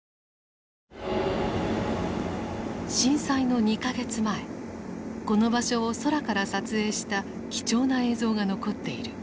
震災の２か月前この場所を空から撮影した貴重な映像が残っている。